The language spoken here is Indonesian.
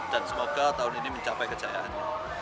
dan semoga tahun ini mencapai kejayaannya